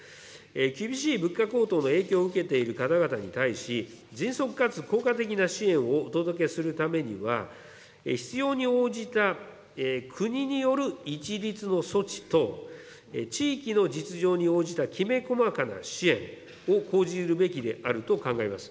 厳しい物価高騰の影響を受けている方々に対し、迅速かつ効果的な支援をお届けするためには、必要に応じた国による一律の措置と、地域の実情に応じたきめ細かな支援を講じるべきであると考えます。